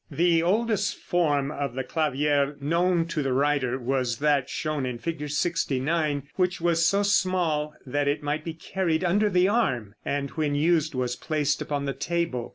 The oldest form of the clavier known to the writer was that shown in Fig. 69, which was so small that it might be carried under the arm, and when used was placed upon the table.